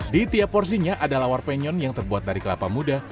di tiap porsinya ada lawar penyon yang terbuat dari kelapa muda